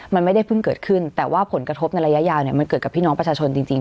มันไม่ได้เพิ่งเกิดขึ้นแต่ว่าผลกระทบในระยะยาวมันเกิดกับพี่น้องประชาชนจริง